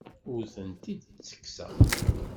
Ur tent-id-ttekkseɣ.